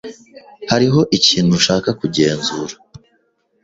Hariho ikintu nshaka kugenzura.